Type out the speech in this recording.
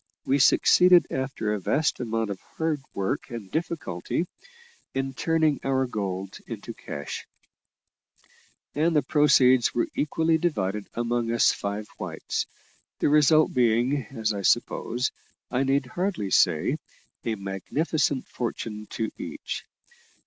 We succeeded, after a vast amount of hard work and difficulty, in turning our gold into cash: and the proceeds were equally divided among us five whites; the result being, as I suppose, I need hardly say, a magnificent fortune to each.